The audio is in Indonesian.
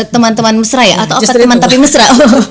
teman teman mesra ya atau apartemen tapi mesra